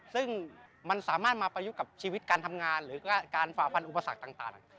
ซึ่งมันสามารถมาประยุกต์กับชีวิตการทำงานหรือการฝ่าฟันอุปสรรคต่าง